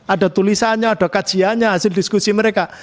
ada tulisannya ada kajiannya hasil diskusi mereka